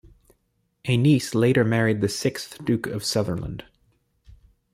A niece later married the sixth Duke of Sutherland.